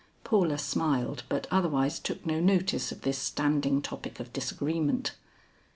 Paula smiled, but otherwise took no notice of this standing topic of disagreement.